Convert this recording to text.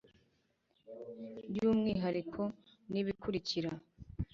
by umwihariko n ibikurikira